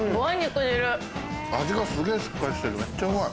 味がすげぇしっかりしててめっちゃうまい。